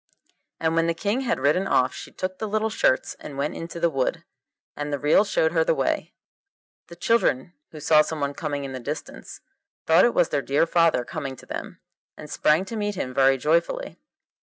And when the King had ridden off she took the little shirts and went into the wood, and the reel showed her the way. The children, who saw someone coming in the distance, thought it was their dear father coming to them, and sprang to meet him very joyfully.